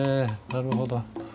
なるほど。